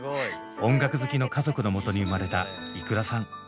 音楽好きの家族のもとに生まれたｉｋｕｒａさん。